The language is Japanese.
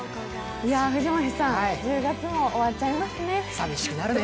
藤森さん、１０月も終わっちゃいますね。